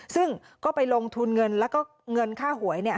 ซึ่งก็ไปลงทุนเงินแล้วก็เงินค่าหวย